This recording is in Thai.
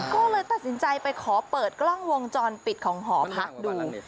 ก็เลยตัดสินใจไปขอเปิดกล้องวงจรปิดของหอพักดู